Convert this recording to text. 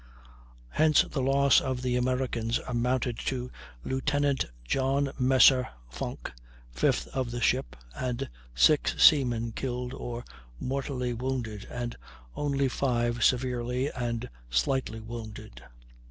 Hence the loss of the Americans amounted to Lieutenant John Messer Funk (5th of the ship) and six seamen killed or mortally wounded, and only five severely and slightly wounded.